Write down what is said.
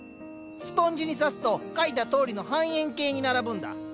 スポンジに挿すと描いたとおりの半円形に並ぶんだ。